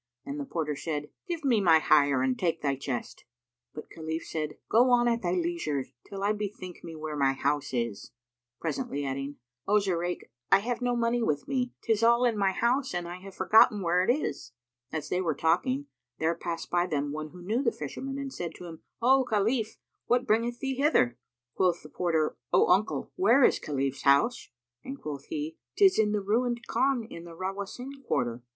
And the porter said, "Give me my hire and take thy chest." But Khalif said, "Go on at thy leisure, till I bethink me where my house is," presently adding, "O Zurayk, I have no money with me. 'Tis all in my house and I have forgotten where it is." As they were talking, there passed by them one who knew the Fisherman and said to him, "O Khalif, what bringeth thee hither?" Quoth the porter, "O uncle, where is Khalif's house?" and quoth he, "'Tis in the ruined Khan in the Rawásín Quarter."